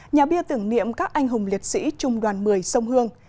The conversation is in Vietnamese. nhà bia tưởng niệm các anh hùng liệt sĩ trung đoàn một mươi sông hương